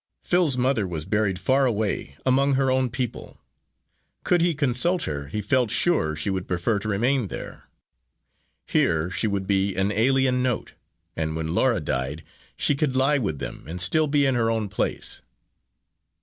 Phil's mother was buried far away, among her own people; could he consult her, he felt sure she would prefer to remain there. Here she would be an alien note; and when Laura died she could lie with them and still be in her own place.